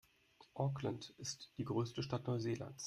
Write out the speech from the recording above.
Auckland ist die größte Stadt Neuseelands.